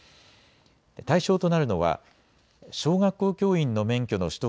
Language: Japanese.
対象となるのは小学校教員の免許の取得